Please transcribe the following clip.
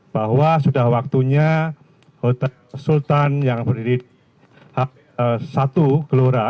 bahwa sudah waktunya sultan yang berdiri satu gelora